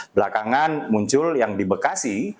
belakangan muncul yang di bekasi